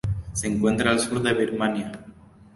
Se encuentra al sur de Birmania.